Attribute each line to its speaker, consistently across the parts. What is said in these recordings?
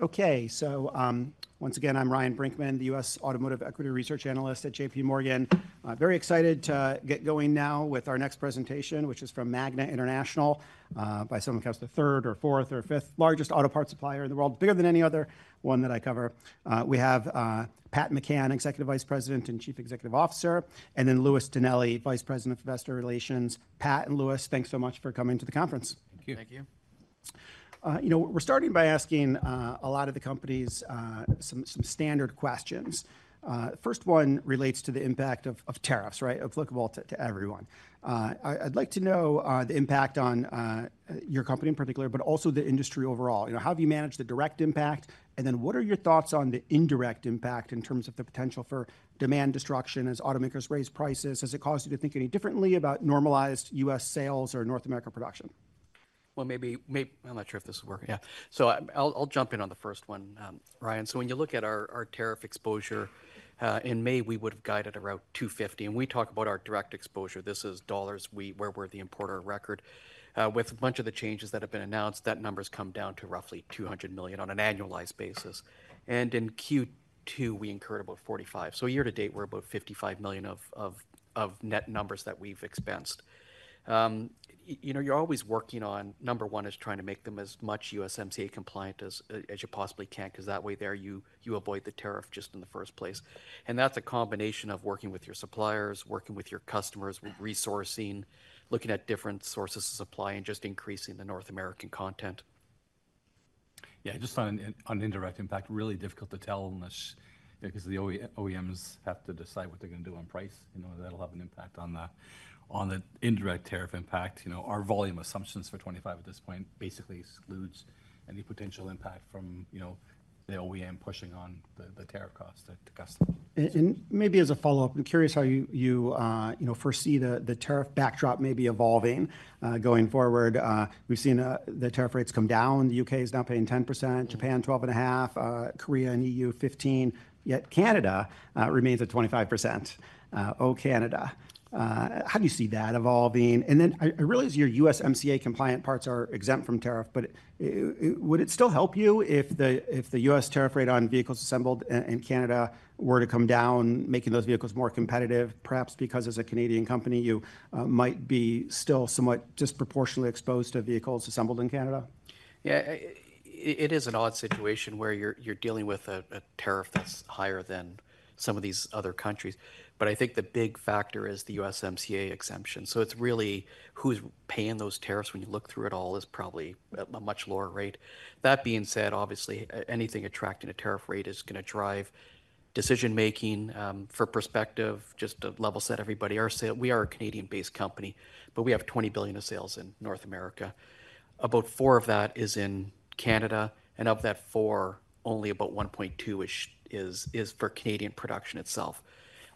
Speaker 1: OK, so once again, I'm Ryan Brinkman, the U.S. automotive equity research analyst at JPMorgan. Very excited to get going now with our next presentation, which is from Magna International, by some accounts the third or fourth or fifth largest auto parts supplier in the world, bigger than any other one that I cover. We have Patrick McCann, Executive Vice President and Chief Executive Officer, and then Louis Tonelli, Vice President of Investor Relations. Pat and Louis, thanks so much for coming to the conference.
Speaker 2: Thank you.
Speaker 3: Thank you.
Speaker 1: You know, we're starting by asking a lot of the companies some standard questions. The first one relates to the impact of tariffs, right, applicable to everyone. I'd like to know the impact on your company in particular, but also the industry overall. How do you manage the direct impact? What are your thoughts on the indirect impact in terms of the potential for demand destruction as automakers raise prices? Does it cause you to think any differently about normalized U.S. sales or North American production?
Speaker 2: Maybe I'm not sure if this is working.
Speaker 1: Yeah.
Speaker 2: I'll jump in on the first one, Ryan. When you look at our tariff exposure, in May, we would have guided around $250 million. We talk about our direct exposure. This is dollars where we're the importer of record. With a bunch of the changes that have been announced, that number has come down to roughly $200 million on an annualized basis. In Q2, we incurred about $45 million. Year to date, we're about $55 million of net numbers that we've expensed. You're always working on number one, trying to make them as much USMCA compliant as you possibly can, because that way you avoid the tariff in the first place. That's a combination of working with your suppliers, working with your customers, resourcing, looking at different sources of supply, and just increasing the North American content.
Speaker 3: Yeah, I just found an indirect impact really difficult to tell unless because the OEMs have to decide what they're going to do on price. You know, that'll have an impact on the indirect tariff impact. Our volume assumptions for 2025 at this point basically exclude any potential impact from the OEM pushing on the tariff costs to customers.
Speaker 1: Maybe as a follow-up, I'm curious how you foresee the tariff backdrop evolving going forward. We've seen the tariff rates come down. The UK is now paying 10%, Japan 12.5%, Korea and EU 15%. Yet Canada remains at 25%. Oh Canada, how do you see that evolving? I realize your USMCA compliant parts are exempt from tariff. Would it still help you if the U.S. tariff rate on vehicles assembled in Canada were to come down, making those vehicles more competitive, perhaps because as a Canadian company, you might be still somewhat disproportionately exposed to vehicles assembled in Canada?
Speaker 2: Yeah, it is an odd situation where you're dealing with a tariff that's higher than some of these other countries. I think the big factor is the USMCA exemption. It's really who's paying those tariffs when you look through it all is probably a much lower rate. That being said, obviously, anything attracting a tariff rate is going to drive decision making for perspective, just to level set everybody. We are a Canadian-based company, but we have $20 billion of sales in North America. About 4% of that is in Canada. Of that 4%, only about 1.2% is for Canadian production itself.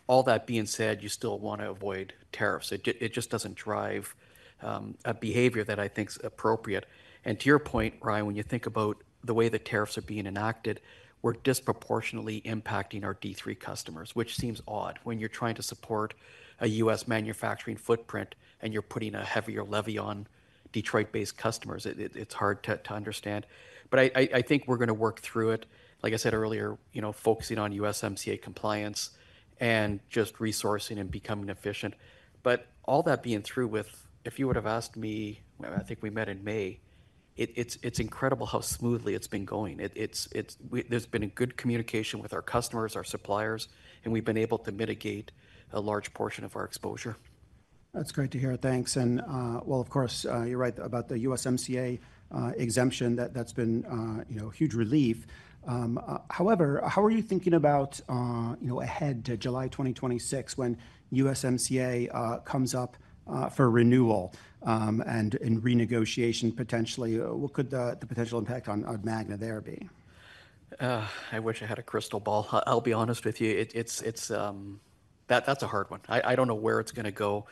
Speaker 2: All that being said, you still want to avoid tariffs. It just doesn't drive a behavior that I think is appropriate. To your point, Ryan, when you think about the way the tariffs are being enacted, we're disproportionately impacting our D3 customers, which seems odd. When you're trying to support a U.S. manufacturing footprint and you're putting a heavier levy on Detroit-based customers, it's hard to understand. I think we're going to work through it. Like I said earlier, focusing on USMCA compliance and just resourcing and becoming efficient. All that being through with, if you would have asked me, I think we met in May, it's incredible how smoothly it's been going. There's been good communication with our customers, our suppliers, and we've been able to mitigate a large portion of our exposure.
Speaker 1: That's great to hear. Thanks. Of course, you're right about the USMCA exemption. That's been a huge relief. However, how are you thinking about ahead to July 2026, when USMCA comes up for renewal and renegotiation potentially? What could the potential impact on Magna there be?
Speaker 2: I wish I had a crystal ball. I'll be honest with you, that's a hard one. I don't know where it's going to go.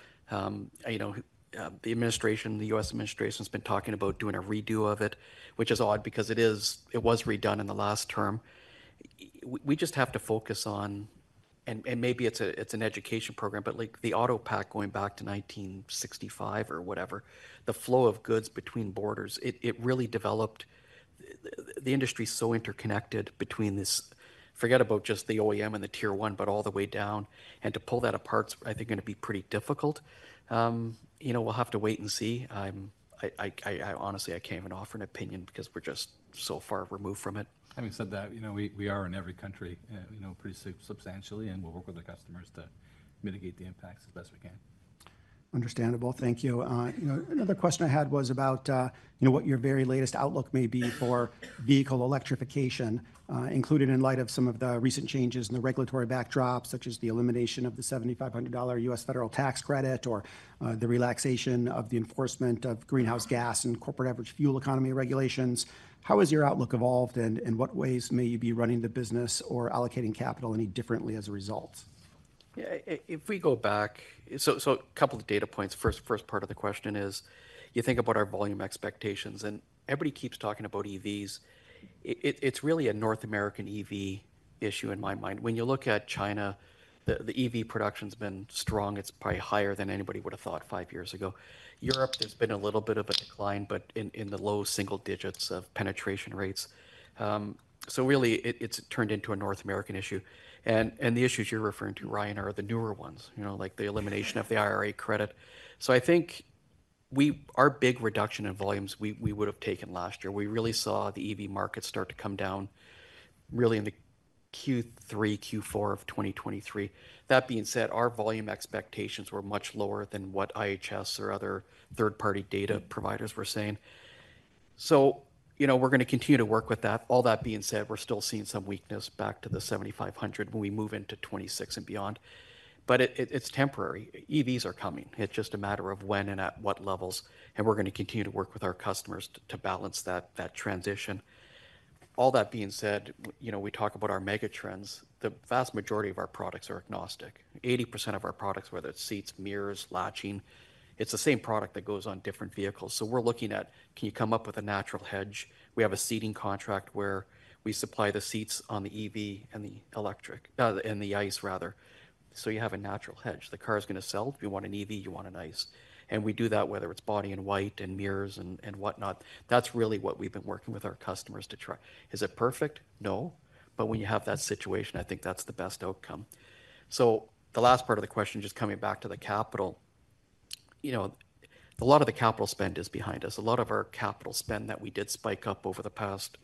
Speaker 2: The administration, the U.S. administration has been talking about doing a redo of it, which is odd because it was redone in the last term. We just have to focus on, and maybe it's an education program, but like the AutoPac going back to 1965 or whatever, the flow of goods between borders, it really developed the industry. It is so interconnected between this. Forget about just the OEM and the tier one, but all the way down. To pull that apart is, I think, going to be pretty difficult. We'll have to wait and see. I honestly, I can't even offer an opinion because we're just so far removed from it.
Speaker 3: Having said that, we are in every country pretty substantially, and we'll work with our customers to mitigate the impacts as best we can.
Speaker 1: Understandable. Thank you. You know, another question I had was about what your very latest outlook may be for vehicle electrification, including in light of some of the recent changes in the regulatory backdrop, such as the elimination of the $7,500 U.S. federal tax credit or the relaxation of the enforcement of greenhouse gas and corporate average fuel economy regulations. How has your outlook evolved? In what ways may you be running the business or allocating capital any differently as a result?
Speaker 2: Yeah, if we go back, a couple of data points. First part of the question is, you think about our volume expectations. Everybody keeps talking about EVs. It's really a North American EV issue in my mind. When you look at China, the EV production has been strong. It's probably higher than anybody would have thought five years ago. Europe, there's been a little bit of a decline, but in the low single digits of penetration rates. It has turned into a North American issue. The issues you're referring to, Ryan, are the newer ones, like the elimination of the IRA credit. I think our big reduction in volumes we would have taken last year, we really saw the EV market start to come down in Q3, Q4 of 2023. That being said, our volume expectations were much lower than what IHS or other third-party data providers were saying. We're going to continue to work with that. All that being said, we're still seeing some weakness back to the 7,500 when we move into 2026 and beyond. It's temporary. EVs are coming. It's just a matter of when and at what levels. We're going to continue to work with our customers to balance that transition. All that being said, we talk about our megatrends. The vast majority of our products are agnostic. 80% of our products, whether it's seats, mirrors, latching, it's the same product that goes on different vehicles. We're looking at, can you come up with a natural hedge? We have a seating contract where we supply the seats on the EV and the ICE, rather. You have a natural hedge. The car is going to sell. If you want an EV, you want an ICE. We do that whether it's body and white and mirrors and whatnot. That's really what we've been working with our customers to try. Is it perfect? No. When you have that situation, I think that's the best outcome. The last part of the question, just coming back to the capital, a lot of the capital spend is behind us. A lot of our capital spend that we did spike up over the past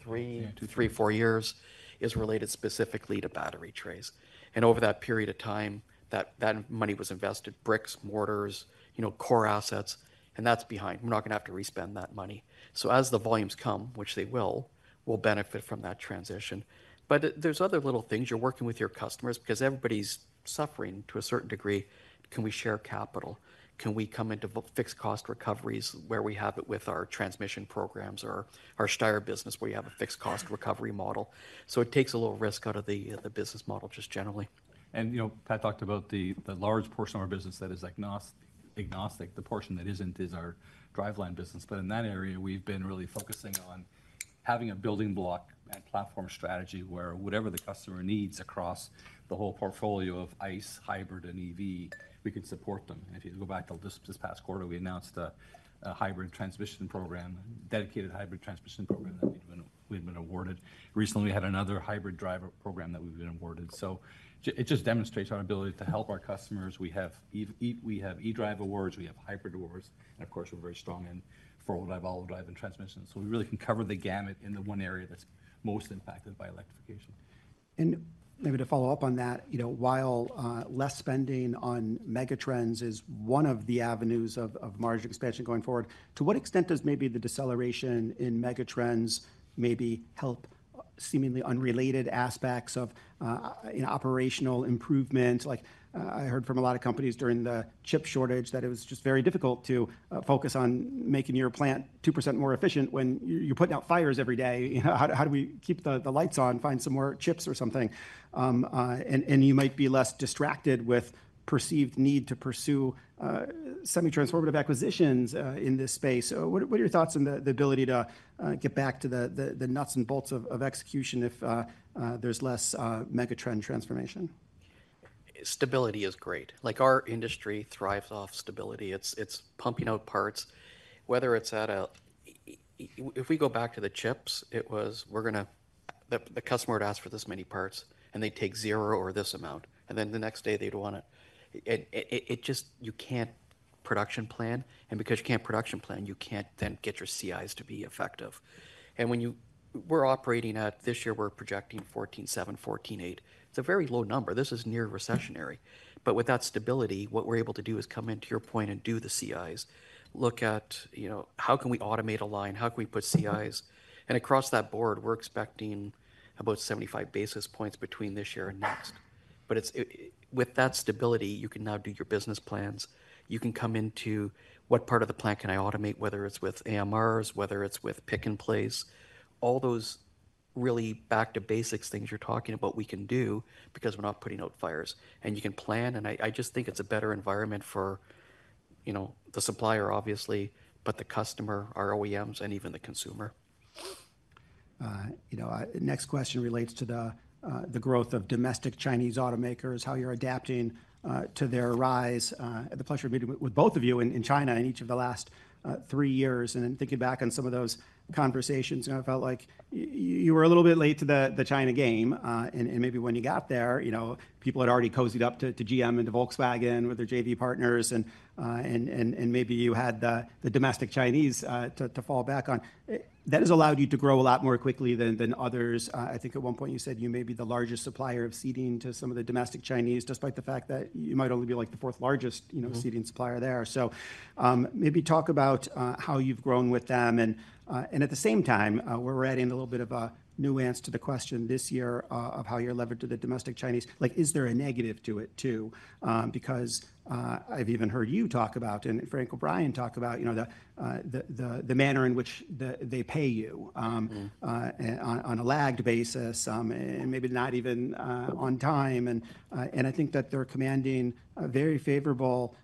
Speaker 2: three to three, four years is related specifically to battery trays. Over that period of time, that money was invested in bricks, mortars, core assets. That's behind. We're not going to have to respend that money. As the volumes come, which they will, we'll benefit from that transition. There's other little things. You're working with your customers because everybody's suffering to a certain degree. Can we share capital? Can we come into fixed cost recoveries where we have it with our transmission programs or our STIR business, where you have a fixed cost recovery model? It takes a little risk out of the business model just generally.
Speaker 3: Pat talked about the large portion of our business that is agnostic. The portion that isn't is our driveline business. In that area, we've been really focusing on having a building block and platform strategy where whatever the customer needs across the whole portfolio of ICE, hybrid, and EV, we can support them. If you go back to this past quarter, we announced a hybrid transmission program, a dedicated hybrid transmission program that we've been awarded. Recently, we had another hybrid driver program that we've been awarded. It just demonstrates our ability to help our customers. We have eDrive awards. We have hybrid awards. Of course, we're very strong in four-wheel drive, all-wheel drive, and transmission. We really can cover the gamut in the one area that's most impacted by electrification.
Speaker 1: Maybe to follow up on that, while less spending on megatrends is one of the avenues of margin expansion going forward, to what extent does the deceleration in megatrends help seemingly unrelated aspects of operational improvements? I heard from a lot of companies during the chip shortage that it was just very difficult to focus on making your plant 2% more efficient when you're putting out fires every day. How do we keep the lights on, find some more chips or something? You might be less distracted with perceived need to pursue semi-transformative acquisitions in this space. What are your thoughts on the ability to get back to the nuts and bolts of execution if there's less megatrend transformation?
Speaker 2: Stability is great. Like our industry thrives off stability. It's pumping out parts. Whether it's at a, if we go back to the chips, it was we're going to, the customer would ask for this many parts, and they'd take zero or this amount. The next day, they'd want it. It just, you can't production plan. Because you can't production plan, you can't then get your CIs to be effective. We're operating at, this year we're projecting 14.7, 14.8. It's a very low number. This is near recessionary. With that stability, what we're able to do is come in to your point and do the CIs, look at, you know, how can we automate a line? How can we put CIs? Across that board, we're expecting about 75 basis points between this year and next. With that stability, you can now do your business plans. You can come into what part of the plant can I automate, whether it's with AMRs, whether it's with pick and place, all those really back to basics things you're talking about we can do because we're not putting out fires. You can plan. I just think it's a better environment for, you know, the supplier, obviously, but the customer, our OEMs, and even the consumer.
Speaker 1: The next question relates to the growth of domestic Chinese automakers, how you're adapting to their rise. I had the pleasure of meeting with both of you in China in each of the last three years. Thinking back on some of those conversations, I felt like you were a little bit late to the China game. Maybe when you got there, people had already cozied up to GM and to Volkswagen with their JV partners. Maybe you had the domestic Chinese to fall back on. That has allowed you to grow a lot more quickly than others. I think at one point you said you may be the largest supplier of seating to some of the domestic Chinese, despite the fact that you might only be like the fourth largest seating supplier there. Maybe talk about how you've grown with them. At the same time, we're adding a little bit of a nuance to the question this year of how you're leveraged to the domestic Chinese. Is there a negative to it too? I've even heard you talk about, and Frank O'Brien talk about, the manner in which they pay you on a lagged basis, and maybe not even on time. I think that they're commanding very favorable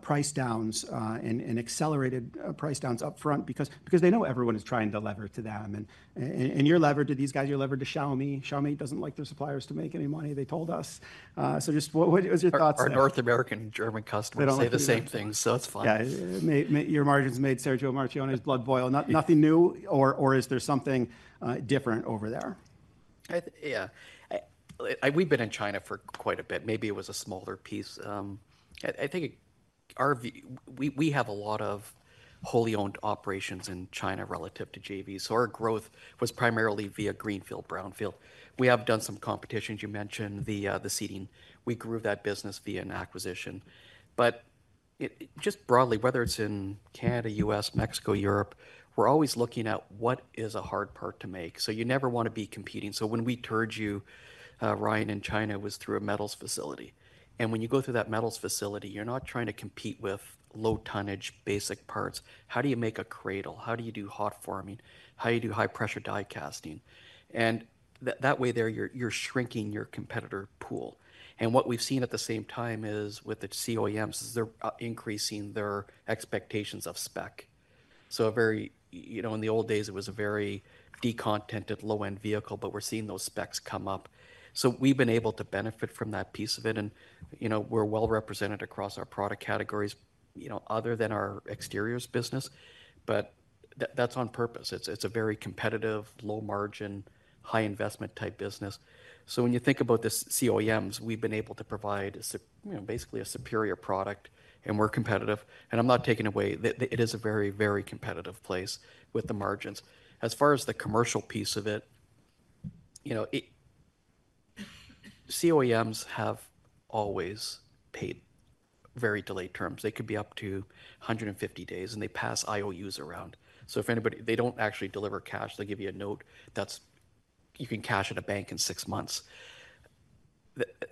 Speaker 1: price downs and accelerated price downs up front because they know everyone is trying to lever to them. You're levered to these guys. You're levered to Xiaomi. Xiaomi doesn't like their suppliers to make any money, they told us. What was your thoughts there?
Speaker 3: Our North American German customers say the same things, so that's fine.
Speaker 1: Yeah, your margins made Sergio Marchionne's blood boil. Nothing new, or is there something different over there?
Speaker 2: Yeah, we've been in China for quite a bit. Maybe it was a smaller piece. I think we have a lot of wholly owned operations in China relative to JV. Our growth was primarily via greenfield, brownfield. We have done some competitions. You mentioned the seating. We grew that business via an acquisition. Just broadly, whether it's in Canada, U.S., Mexico, Europe, we're always looking at what is a hard part to make. You never want to be competing. When we turned you, Ryan, in China, it was through a metals facility. When you go through that metals facility, you're not trying to compete with low tonnage basic parts. How do you make a cradle? How do you do hot forming? How do you do high-pressure die casting? That way, you're shrinking your competitor pool. What we've seen at the same time is with the OEMs, they're increasing their expectations of spec. In the old days, it was a very decontented low-end vehicle, but we're seeing those specs come up. We've been able to benefit from that piece of it. We're well represented across our product categories, other than our exteriors business. That's on purpose. It's a very competitive, low margin, high investment type business. When you think about the OEMs, we've been able to provide basically a superior product. We're competitive. I'm not taking away. It is a very, very competitive place with the margins. As far as the commercial piece of it, OEMs have always paid very delayed terms. They could be up to 150 days. They pass IOUs around. They don't actually deliver cash. They'll give you a note that you can cash at a bank in six months.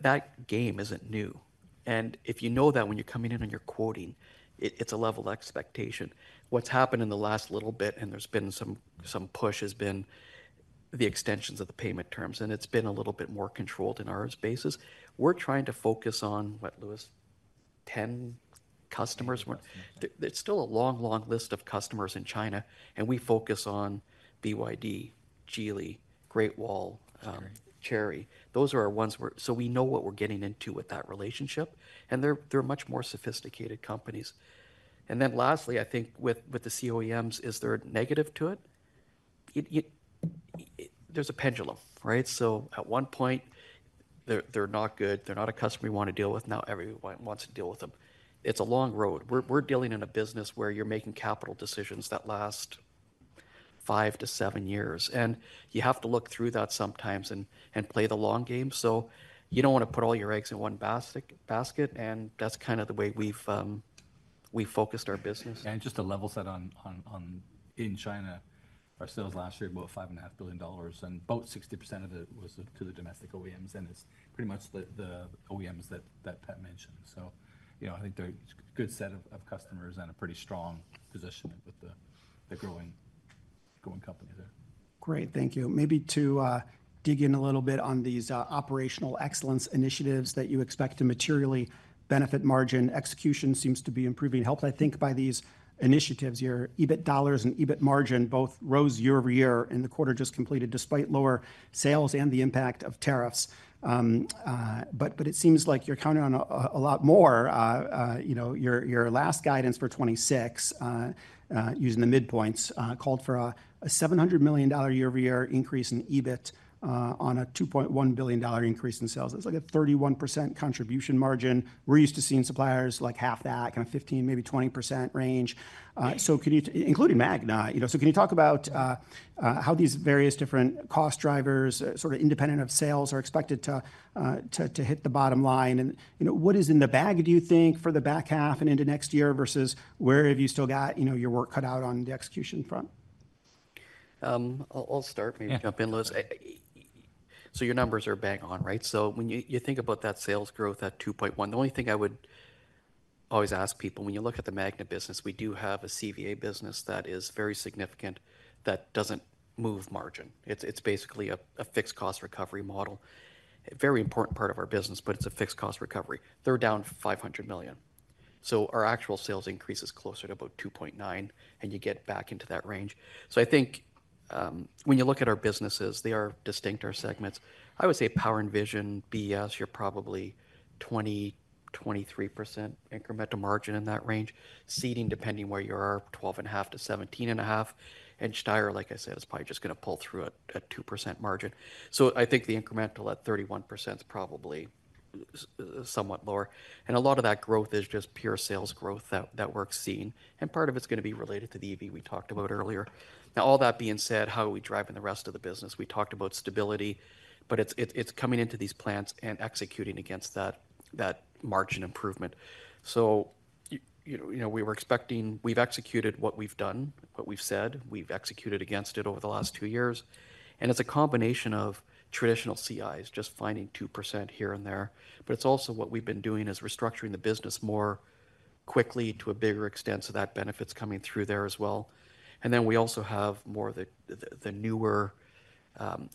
Speaker 2: That game isn't new. If you know that when you're coming in and you're quoting, it's a level expectation. What's happened in the last little bit, and there's been some push, has been the extensions of the payment terms. It's been a little bit more controlled in our basis. We're trying to focus on what, Louis, 10 customers? There's still a long, long list of customers in China. We focus on BYD, Geely, Great Wall, Chery. Those are our ones where we know what we're getting into with that relationship. They're much more sophisticated companies. Lastly, I think with the OEMs, is there a negative to it? There's a pendulum, right? At one point, they're not good. They're not a customer you want to deal with. Now everyone wants to deal with them. It's a long road. We're dealing in a business where you're making capital decisions that last five to seven years. You have to look through that sometimes and play the long game. You don't want to put all your eggs in one basket. That's kind of the way we've focused our business.
Speaker 3: To level set on in China, our sales last year were about $5.5 billion, and about 60% of it was to the domestic OEMs. It's pretty much the OEMs that Pat mentioned. I think they're a good set of customers and a pretty strong position with the growing company there.
Speaker 1: Great, thank you. Maybe to dig in a little bit on these operational excellence initiatives that you expect to materially benefit margin. Execution seems to be improving, helped, I think, by these initiatives here. EBIT dollars and EBIT margin both rose year-over-year in the quarter just completed, despite lower sales and the impact of tariffs. It seems like you're counting on a lot more. You know, your last guidance for 2026, using the midpoints, called for a $700 million year-over-year increase in EBIT on a $2.1 billion increase in sales. That's like a 31% contribution margin. We're used to seeing suppliers like half that, kind of 15%, maybe 20% range, including Magna. Can you talk about how these various different cost drivers, sort of independent of sales, are expected to hit the bottom line? You know, what is in the bag, do you think, for the back half and into next year versus where have you still got your work cut out on the execution front?
Speaker 2: I'll start, maybe jump in, Louis. Your numbers are bang on, right? When you think about that sales growth at 2.1%, the only thing I would always ask people, when you look at the Magna International business, we do have a CVA business that is very significant that doesn't move margin. It's basically a fixed cost recovery model. A very important part of our business, but it's a fixed cost recovery. They're down $500 million. Our actual sales increase is closer to about 2.9%. You get back into that range. When you look at our businesses, they are distinct, our segments. I would say Power and Vision, BS, you're probably 20%-23% incremental margin in that range. Seating, depending where you are, 12.5%-17.5%. STIR, like I said, is probably just going to pull through at 2% margin. The incremental at 31% is probably somewhat lower. A lot of that growth is just pure sales growth that we're seeing. Part of it is going to be related to the EV we talked about earlier. Now, all that being said, how are we driving the rest of the business? We talked about stability. It's coming into these plants and executing against that margin improvement. We were expecting, we've executed what we've done, what we've said, we've executed against it over the last two years. It's a combination of traditional CIs, just finding 2% here and there. What we've been doing is restructuring the business more quickly to a bigger extent. That benefit is coming through there as well. We also have more of the newer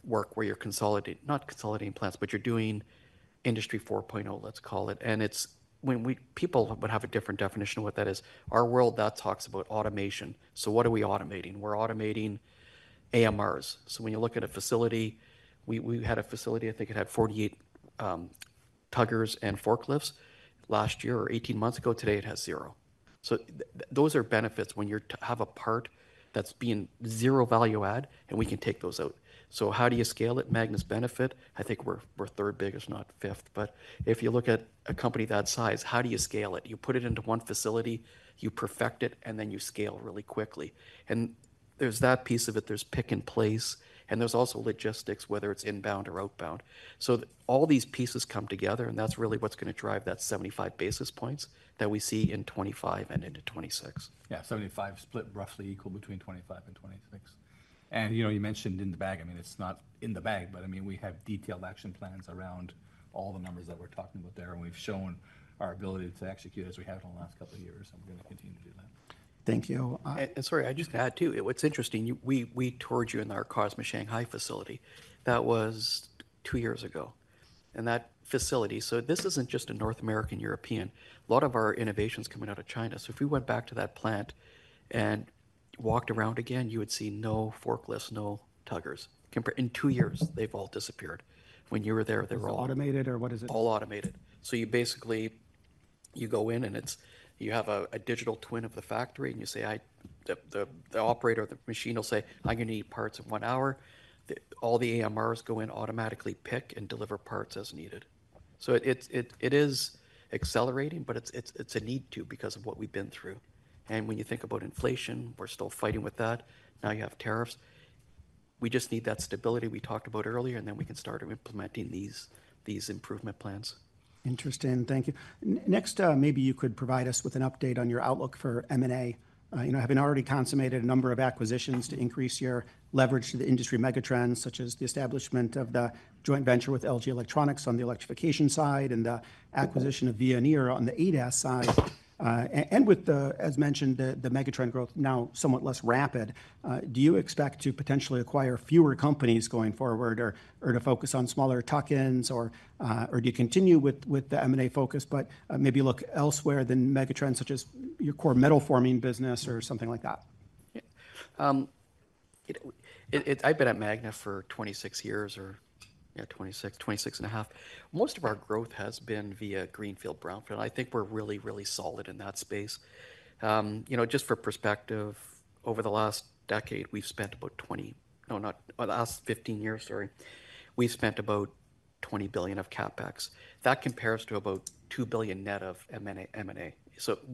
Speaker 2: work where you're consolidating, not consolidating plants, but you're doing Industry 4.0, let's call it. People would have a different definition of what that is. Our world talks about automation. What are we automating? We're automating AMRs. When you look at a facility, we had a facility, I think it had 48 tuggers and forklifts last year or 18 months ago. Today it has zero. Those are benefits when you have a part that's being zero value add, and we can take those out. How do you scale it? Magna International's benefit, I think we're third biggest, not fifth. If you look at a company that size, how do you scale it? You put it into one facility, you perfect it, and then you scale really quickly. There's that piece of it. There's pick and place. There's also logistics, whether it's inbound or outbound. All these pieces come together. That's really what's going to drive that 75 basis points that we see in 2025 and into 2026.
Speaker 3: Yeah, 75 split roughly equal between 2025 and 2026. You mentioned in the bag. I mean, it's not in the bag, but we have detailed action plans around all the numbers that we're talking about there. We've shown our ability to execute as we have in the last couple of years, and we're going to continue to do that.
Speaker 1: Thank you.
Speaker 2: I'd just add too, what's interesting, we toured you in our Kazmushanghai facility. That was two years ago. That facility, this isn't just a North American European. A lot of our innovation is coming out of China. If we went back to that plant and walked around again, you would see no forklifts, no tuggers. In two years, they've all disappeared. When you were there, they were all automated, or what is it? All automated. You basically go in and you have a digital twin of the factory. You say, the operator of the machine will say, I'm going to need parts in one hour. All the AMRs go in, automatically pick and deliver parts as needed. It is accelerating, but it's a need to because of what we've been through. When you think about inflation, we're still fighting with that. Now you have tariffs. We just need that stability we talked about earlier. Then we can start implementing these improvement plans.
Speaker 1: Interesting. Thank you. Next, maybe you could provide us with an update on your outlook for M&A. You know, having already consummated a number of acquisitions to increase your leverage to the industry megatrends, such as the establishment of the joint venture with LG Electronics on the electrification side and the acquisition of Veoneer on the ADAS side, and with the, as mentioned, the megatrend growth now somewhat less rapid, do you expect to potentially acquire fewer companies going forward, or to focus on smaller tuck-ins, or do you continue with the M&A focus, but maybe look elsewhere than megatrends, such as your core metal forming business or something like that?
Speaker 2: I've been at Magna for 26 years, or yeah, 26, 26 and 1/2. Most of our growth has been via greenfield, brownfield. I think we're really, really solid in that space. Just for perspective, over the last decade, we've spent about $20 billion of CapEx. That compares to about $2 billion net of M&A.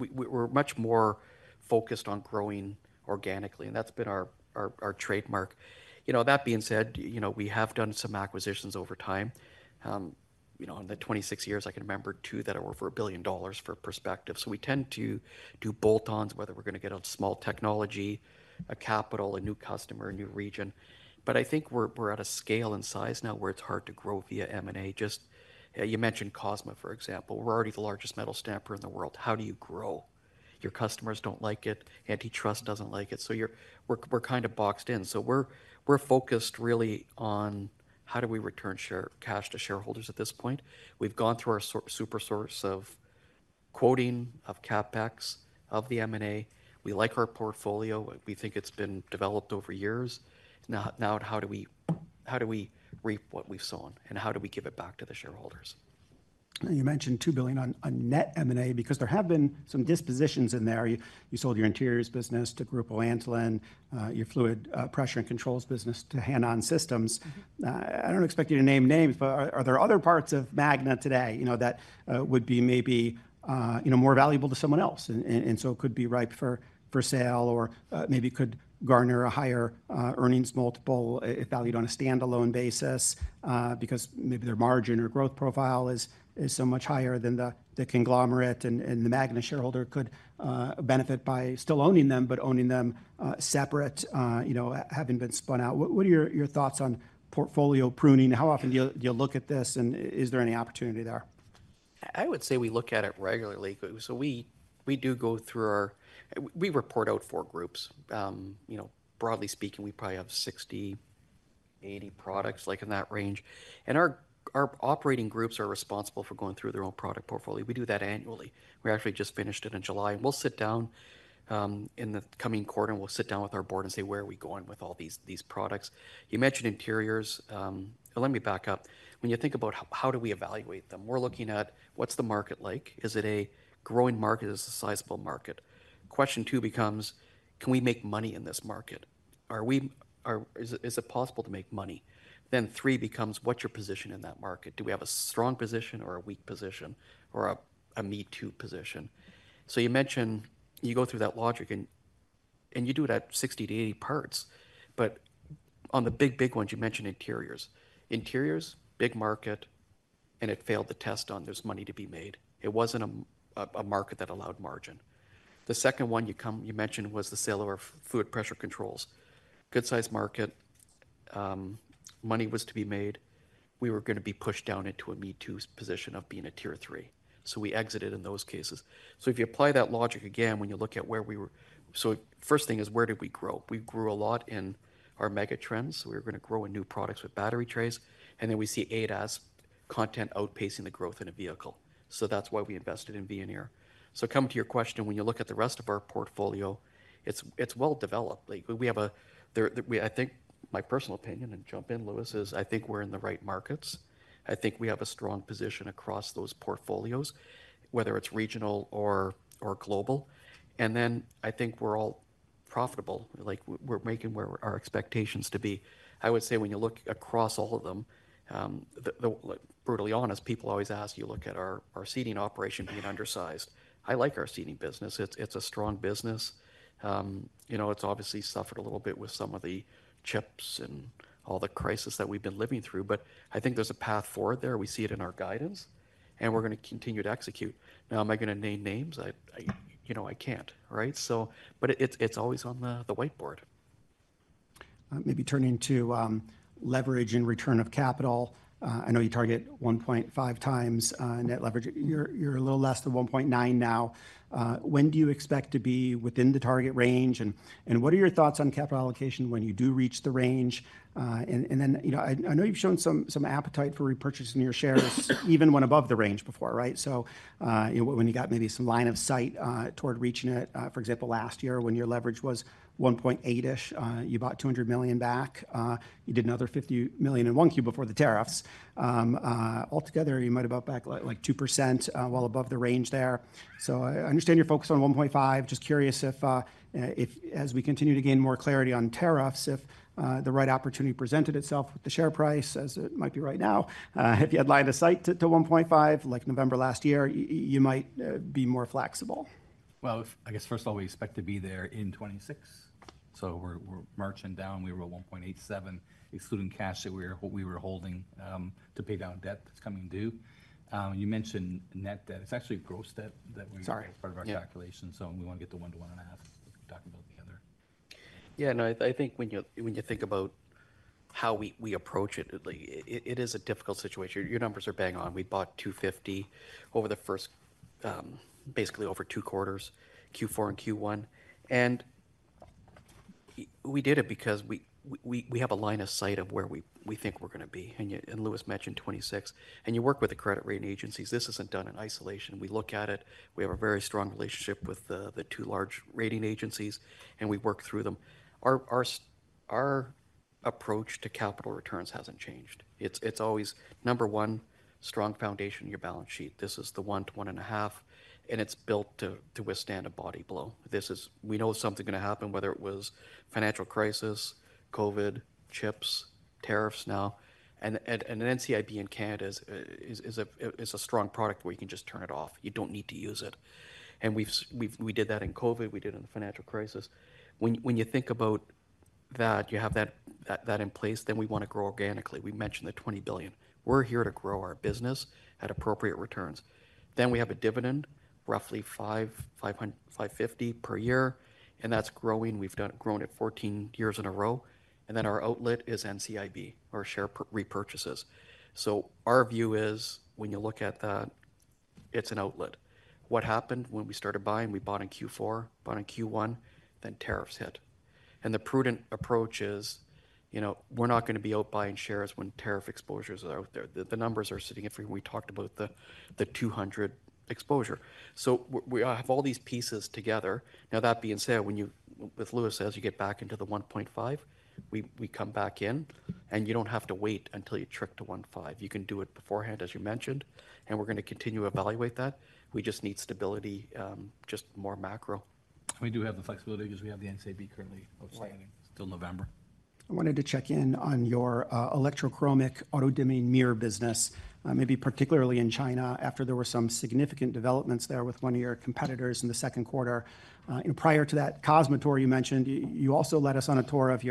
Speaker 2: We're much more focused on growing organically, and that's been our trademark. That being said, we have done some acquisitions over time. In the 26 years, I can remember two that were for $1 billion for perspective. We tend to do bolt-ons, whether we're going to get on small technology, a capital, a new customer, a new region. I think we're at a scale and size now where it's hard to grow via M&A. Just you mentioned Cosma, for example. We're already the largest metal stamper in the world. How do you grow? Your customers don't like it. Antitrust doesn't like it. We're kind of boxed in. We're focused really on how do we return cash to shareholders at this point. We've gone through our super source of quoting, of CapEx, of the M&A. We like our portfolio. We think it's been developed over years. Now, how do we reap what we've sown? How do we give it back to the shareholders?
Speaker 1: You mentioned $2 billion on net M&A because there have been some dispositions in there. You sold your interiors business to Grupo Antolin, your fluid pressure and controls business to Hanon Systems. I don't expect you to name names, but are there other parts of Magna International today that would be maybe more valuable to someone else? It could be ripe for sale or maybe could garner a higher earnings multiple if valued on a standalone basis because maybe their margin or growth profile is so much higher than the conglomerate, and the Magna International shareholder could benefit by still owning them, but owning them separate, having been spun out. What are your thoughts on portfolio pruning? How often do you look at this? Is there any opportunity there?
Speaker 2: I would say we look at it regularly. We do go through our, we report out four groups. Broadly speaking, we probably have 60, 80 products, like in that range. Our operating groups are responsible for going through their own product portfolio. We do that annually. We actually just finished it in July. We'll sit down in the coming quarter, and we'll sit down with our board and say, where are we going with all these products? You mentioned interiors. Let me back up. When you think about how do we evaluate them, we're looking at what's the market like? Is it a growing market? Is it a sizable market? Question two becomes, can we make money in this market? Is it possible to make money? Then three becomes, what's your position in that market? Do we have a strong position or a weak position or a me-too position? You go through that logic. You do that 60-80 parts. On the big, big ones, you mentioned interiors. Interiors, big market, and it failed the test on there's money to be made. It wasn't a market that allowed margin. The second one you mentioned was the sale of fluid pressure controls. Good size market. Money was to be made. We were going to be pushed down into a me-too position of being a tier three. We exited in those cases. If you apply that logic again, when you look at where we were, first thing is where did we grow? We grew a lot in our megatrends. We were going to grow in new products with battery trays. We see ADAS content outpacing the growth in a vehicle. That's why we invested in Veoneer. Coming to your question, when you look at the rest of our portfolio, it's well developed. I think my personal opinion, and jump in, Louis, is I think we're in the right markets. I think we have a strong position across those portfolios, whether it's regional or global. I think we're all profitable. We're making our expectations to be. I would say when you look across all of them, brutally honest, people always ask, you look at our seating operation being undersized. I like our seating business. It's a strong business. It's obviously suffered a little bit with some of the chips and all the crisis that we've been living through. I think there's a path forward there. We see it in our guidance. We're going to continue to execute. Am I going to name names? I can't, right? It's always on the whiteboard.
Speaker 1: Maybe turning to leverage and return of capital. I know you target 1.5 times net leverage. You're a little less than 1.9 now. When do you expect to be within the target range? What are your thoughts on capital allocation when you do reach the range? I know you've shown some appetite for repurchasing your shares, even when above the range before, right? When you got maybe some line of sight toward reaching it, for example, last year when your leverage was 1.8-ish, you bought $200 million back. You did another $50 million in one Q before the tariffs. Altogether, you might have bought back like 2% while above the range there. I understand you're focused on 1.5. Just curious if, as we continue to gain more clarity on tariffs, if the right opportunity presented itself with the share price, as it might be right now, if you had line of sight to 1.5, like November last year, you might be more flexible.
Speaker 3: First of all, we expect to be there in 2026. We're marching down. We were at 1.87, excluding cash that we were holding to pay down debt that's coming due. You mentioned net debt. It's actually gross debt that's part of our calculation. We want to get the one to one and a half back and back and forth together.
Speaker 2: Yeah, no, I think when you think about how we approach it, it is a difficult situation. Your numbers are bang on. We bought $250 million over the first, basically over two quarters, Q4 and Q1. We did it because we have a line of sight of where we think we're going to be. Louis mentioned 2026. You work with the credit rating agencies. This isn't done in isolation. We look at it. We have a very strong relationship with the two large rating agencies. We work through them. Our approach to capital returns hasn't changed. It's always, number one, strong foundation in your balance sheet. This is the one to one and a half. It's built to withstand a body blow. We know something's going to happen, whether it was financial crisis, COVID, chips, tariffs now. NCIB in Canada is a strong product where you can just turn it off. You don't need to use it. We did that in COVID. We did it in the financial crisis. When you think about that, you have that in place, then we want to grow organically. We mentioned the $20 billion. We're here to grow our business at appropriate returns. We have a dividend, roughly $550 million per year. That's growing. We've grown it 14 years in a row. Our outlet is NCIB, our share repurchases. Our view is when you look at that, it's an outlet. What happened when we started buying? We bought in Q4, bought in Q1, tariffs hit. The prudent approach is, you know, we're not going to be out buying shares when tariff exposures are out there. The numbers are significant. We talked about the $200 million exposure. We have all these pieces together. That being said, with Louis, as you get back into the 1.5, we come back in. You don't have to wait until you trick to 1.5. You can do it beforehand, as you mentioned. We're going to continue to evaluate that. We just need stability, just more macro.
Speaker 3: We do have the flexibility because we have the NCIB currently open still in November.
Speaker 1: I wanted to check in on your electrochromic auto-dimming mirror business, maybe particularly in China, after there were some significant developments there with one of your competitors in the second quarter. Prior to that Kazma tour, you mentioned you also led us on a tour of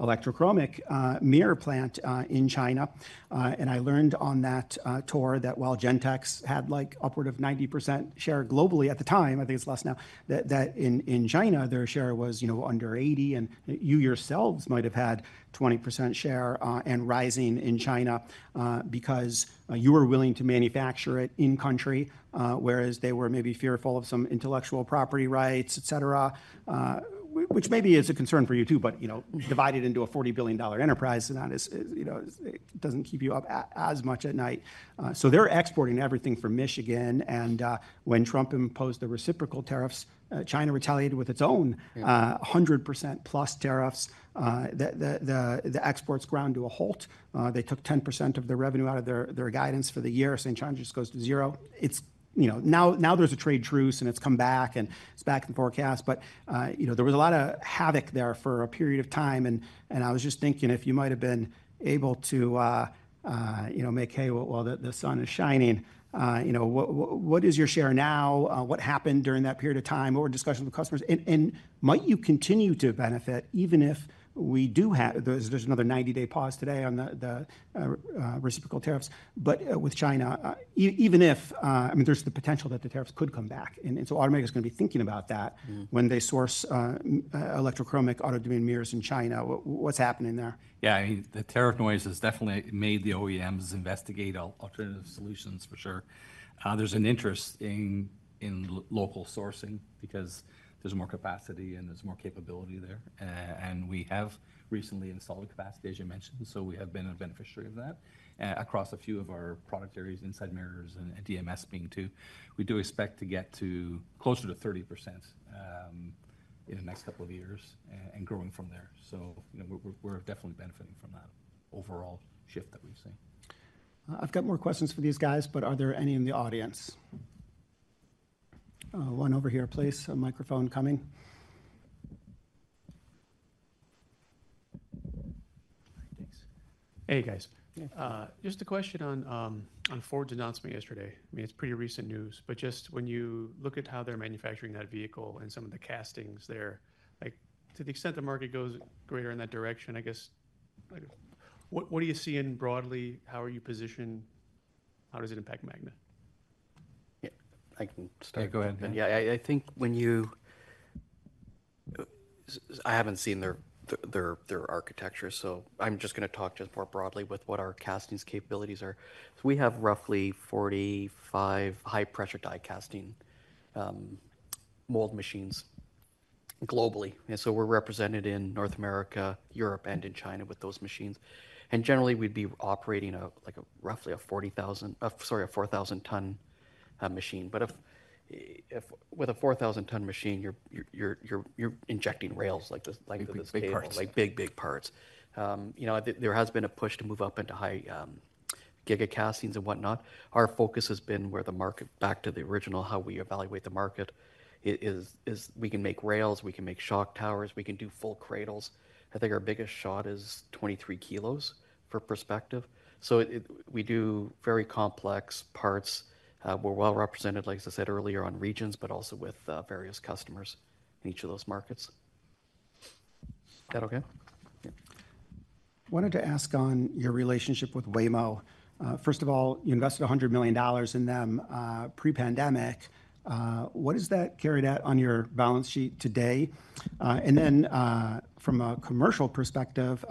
Speaker 1: your electrochromic mirror plant in China. I learned on that tour that while Gentex had like upward of 90% share globally at the time, I think it's less now, that in China, their share was under 80%. You yourselves might have had 20% share and rising in China because you were willing to manufacture it in-country, whereas they were maybe fearful of some intellectual property rights, et cetera, which maybe is a concern for you too. Divided into a $40 billion enterprise, it doesn't keep you up as much at night. They're exporting everything from Michigan. When Trump imposed the reciprocal tariffs, China retaliated with its own 100%+ tariffs. The exports ground to a halt. They took 10% of the revenue out of their guidance for the year, saying China just goes to zero. Now there's a trade truce, and it's come back, and it's back in the forecast. There was a lot of havoc there for a period of time. I was just thinking if you might have been able to make hay while the sun is shining, what is your share now? What happened during that period of time? What were discussions with customers? Might you continue to benefit even if we do have, there's another 90-day pause today on the reciprocal tariffs? With China, even if, I mean, there's the potential that the tariffs could come back. Automakers are going to be thinking about that when they source electrochromic auto-dimming mirrors in China. What's happening there?
Speaker 3: Yeah, the tariff noise has definitely made the OEMs investigate alternative solutions for sure. There's an interest in local sourcing because there's more capacity, and there's more capability there. We have recently installed capacity, as you mentioned. We have been a beneficiary of that across a few of our product areas, inside mirrors and DMS being two. We do expect to get to closer to 30% in the next couple of years and growing from there. We're definitely benefiting from that overall shift that we've seen.
Speaker 1: I've got more questions for these guys. Are there any in the audience? One over here, please. A microphone coming.
Speaker 4: Hi, thanks. Hey guys. Just a question on Ford's announcement yesterday. I mean, it's pretty recent news. When you look at how they're manufacturing that vehicle and some of the castings there, to the extent the market goes greater in that direction, what do you see in broadly? How are you positioned? How does it impact Magna?
Speaker 2: Yeah, I can start. Go ahead. I think when you, I haven't seen their architecture. I'm just going to talk more broadly with what our castings capabilities are. We have roughly 45 high-pressure die casting mold machines globally, and we're represented in North America, Europe, and in China with those machines. Generally, we'd be operating like roughly a 4,000-ton machine. With a 4,000-ton machine, you're injecting rails, like big parts, big, big parts. There has been a push to move up into high gig castings and whatnot. Our focus has been where the market, back to the original, how we evaluate the market is we can make rails. We can make shock towers. We can do full cradles. I think our biggest shot is 23 kilos for perspective. We do very complex parts. We're well represented, like I said earlier, on regions, but also with various customers in each of those markets.
Speaker 1: Is that OK?
Speaker 4: Yeah.
Speaker 1: I wanted to ask on your relationship with Waymo. First of all, you invested $100 million in them pre-pandemic. What has that carried out on your balance sheet today? From a commercial perspective,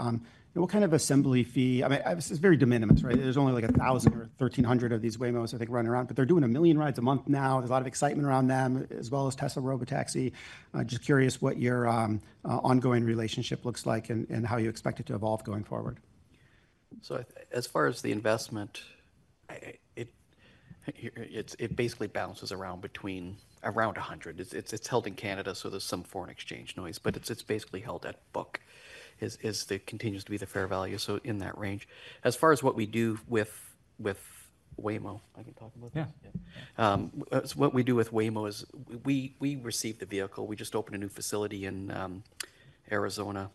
Speaker 1: what kind of assembly fee? I mean, this is very de minimis, right? There's only like 1,000 or 1,300 of these Waymos, I think, running around. They're doing a million rides a month now. There's a lot of excitement around them, as well as Tesla Robotaxi. I'm just curious what your ongoing relationship looks like and how you expect it to evolve going forward.
Speaker 2: As far as the investment, it basically balances around between around $100. It's held in Canada, so there's some foreign exchange noise, but it's basically held at book as it continues to be the fair value, so in that range. As far as what we do with Waymo, I can talk about that.
Speaker 1: Yeah.
Speaker 2: What we do with Waymo is we received the vehicle. We just opened a new facility in Arizona.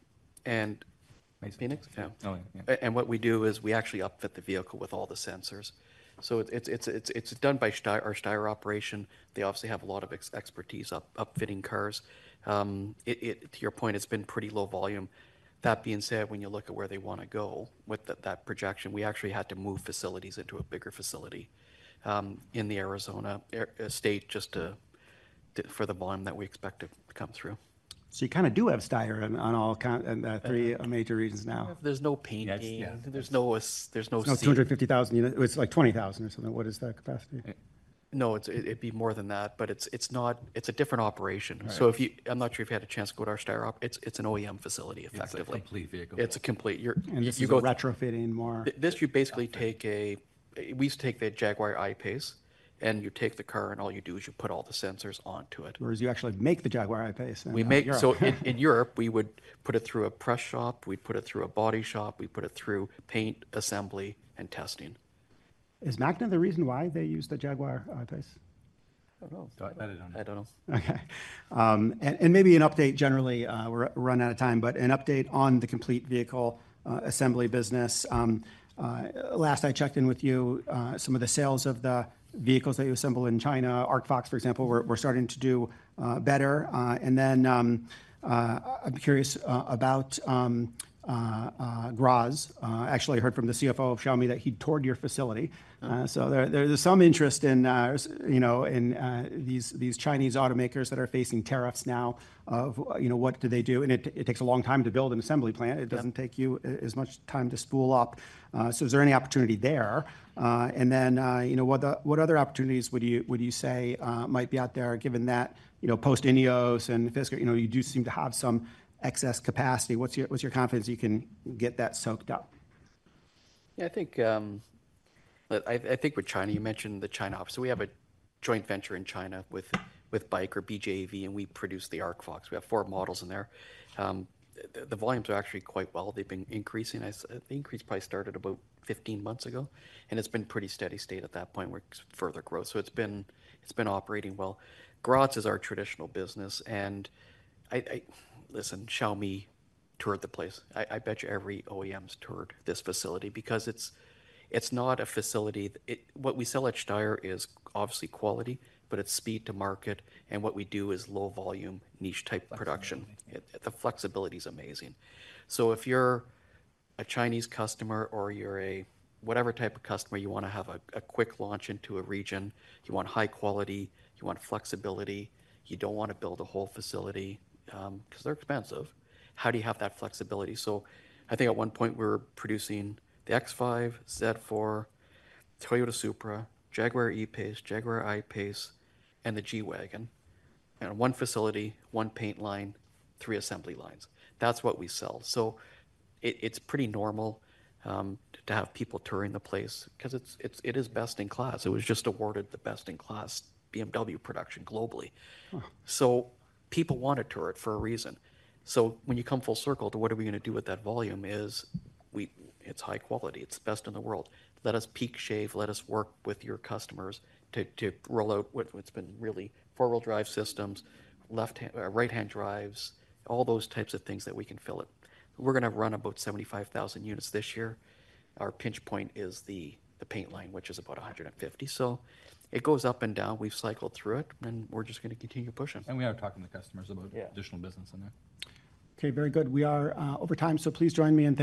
Speaker 1: Phoenix?
Speaker 2: Oh, yeah. What we do is we actually upfit the vehicle with all the sensors. It is done by our STIR operation. They obviously have a lot of expertise upfitting cars. To your point, it's been pretty low volume. That being said, when you look at where they want to go with that projection, we actually had to move facilities into a bigger facility in the Arizona state just for the volume that we expect to come through.
Speaker 1: You kind of do have STIR on all three major regions now.
Speaker 2: There's no painting, there's no seats.
Speaker 1: 250,000 units. It's like 20,000 or something. What is that capacity?
Speaker 2: No, it'd be more than that. It's a different operation. If you, I'm not sure if you had a chance to go to our STIR op, it's an OEM facility, effectively.
Speaker 3: It's a complete vehicle.
Speaker 2: It's complete.
Speaker 1: You go retrofitting more.
Speaker 2: You basically take a, we used to take the Jaguar I-Pace. You take the car, and all you do is you put all the sensors onto it.
Speaker 1: Whereas you actually make the Jaguar I-Pace.
Speaker 2: We make our own. In Europe, we would put it through a press shop, a body shop, paint assembly, and testing.
Speaker 1: Is Magna the reason why they use the Jaguar I-Pace?
Speaker 2: I don't know. Start in on it. I don't know.
Speaker 1: OK. Maybe an update generally, we're running out of time, but an update on the complete vehicle assembly business. Last I checked in with you, some of the sales of the vehicles that you assemble in China, Arcfox, for example, were starting to do better. I'm curious about Graz. Actually, I heard from the CFO of Xiaomi that he toured your facility. There's some interest in these Chinese automakers that are facing tariffs now of, you know, what do they do? It takes a long time to build an assembly plant. It doesn't take you as much time to spool up. Is there any opportunity there? What other opportunities would you say might be out there, given that post INEOS and Fisker, you do seem to have some excess capacity. What's your confidence you can get that soaked up?
Speaker 2: Yeah, I think with China, you mentioned the China op. We have a joint venture in China with Arcfox JV. We produce the Arcfox. We have four models in there. The volumes are actually quite well. They've been increasing. The increase probably started about 15 months ago. It's been a pretty steady state at that point, where it's further growth. It's been operating well. Graz is our traditional business. Xiaomi toured the place. I bet you every OEM's toured this facility because it's not a facility. What we sell at Graz is obviously quality, but it's speed to market. What we do is low volume, niche type production. The flexibility is amazing. If you're a Chinese customer or you're a whatever type of customer, you want to have a quick launch into a region. You want high quality. You want flexibility. You don't want to build a whole facility because they're expensive. How do you have that flexibility? At one point, we were producing the X5, BMW Z4, Toyota Supra, Jaguar E-Pace, Jaguar I-Pace, and the G-Wagon. One facility, one paint line, three assembly lines. That's what we sell. It's pretty normal to have people touring the place because it is best in class. It was just awarded the best in class BMW production globally. People want to tour it for a reason. When you come full circle to what are we going to do with that volume, it's high quality. It's the best in the world. Let us peak shave. Let us work with your customers to roll out what's been really four-wheel drive systems, right-hand drives, all those types of things that we can fill it. We're going to run about 75,000 units this year. Our pinch point is the paint line, which is about 150,000. It goes up and down. We've cycled through it. We're just going to continue pushing.
Speaker 3: We are talking to customers about additional business in there.
Speaker 1: OK, very good. We are over time. Please join me.